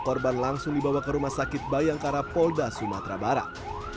korban langsung dibawa ke rumah sakit bayangkara polda sumatera barat